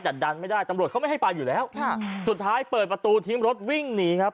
แต่ดันไม่ได้ตำรวจเขาไม่ให้ไปอยู่แล้วค่ะสุดท้ายเปิดประตูทิ้งรถวิ่งหนีครับ